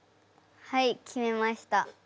はい決めました。